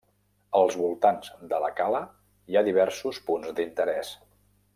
Als voltants de la cala hi ha diversos punts d’interès.